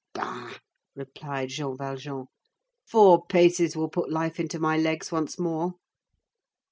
"Bah!" replied Jean Valjean, "four paces will put life into my legs once more."